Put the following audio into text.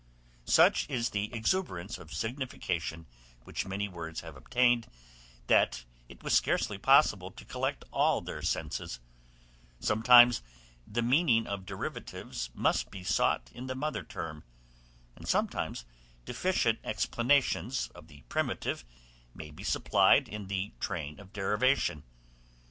Such is the exuberance of signification which many words have obtained, that it was scarcely possible to collect all their senses; sometimes the meaning of derivatives must be sought in the mother term, and sometimes deficient explanations of the primitive may he supplied in the train of derivation.